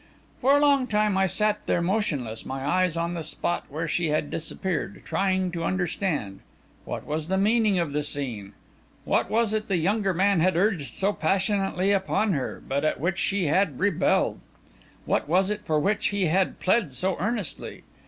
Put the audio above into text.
For a long time I sat there motionless, my eyes on the spot where she had disappeared, trying to understand. What was the meaning of the scene? What was it the younger man had urged so passionately upon her, but at which she had rebelled? What was it for which he had pled so earnestly?